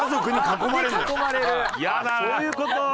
あっそういう事？